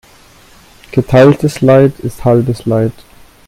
Geteiltes Leid ist halbes Leid.